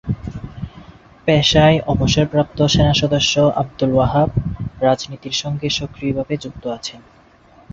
পেশার অবসরপ্রাপ্ত সেনা সদস্য আব্দুল ওয়াহাব রাজনীতির সঙ্গে সক্রিয় ভাবে যুক্ত আছেন।